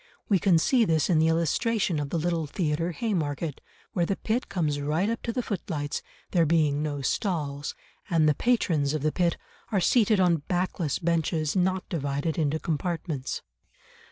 We can see this in the illustration of the Little Theatre, Haymarket, where the pit comes right up to the footlights, there being no stalls, and the patrons of the pit are seated on backless benches not divided into compartments.